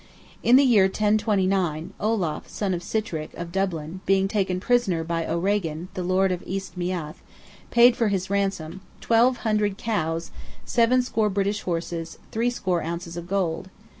In the year 1029, Olaf, son of Sitrick, of Dublin, being taken prisoner by O'Regan, the Lord of East Meath, paid for his ransom—"twelve hundred cows, seven score British horses, three score ounces of gold!"